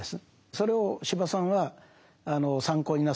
それを司馬さんは参考になさってる。